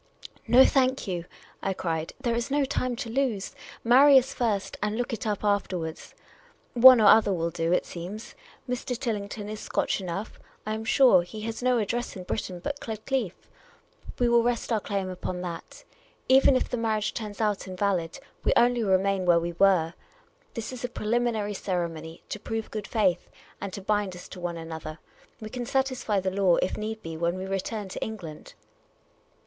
" No, thank you," I cried. " There is no time to lose. Marry us first, and look it up afterwards. ' One or other ' will do, it seems. Mr. Tillington is Scotch enough, I am sure ; he has no address in Britain but Gledcliffe ; we will The Oriental Attendant 315 rest our claim upon that. Even if the marriage turns out invahd, we only remain where we were. This i.s a pre liminary ceremony to prove good faith, and to bind us to one another. We can satisfy the law, if need be, when we return to England."